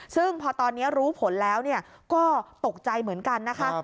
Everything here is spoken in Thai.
ซึ่งพอตอนนี้รู้ผลแล้วก็ตกใจเหมือนกันนะคะ